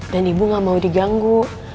dan ibu gak mau diganggu